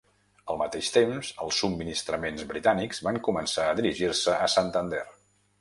Al mateix temps els subministraments britànics van començar a dirigir-se a Santander.